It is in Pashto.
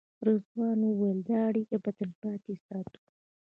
رضوان وویل دا اړیکه به تلپاتې ساتو.